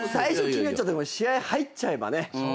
試合入っちゃえばね。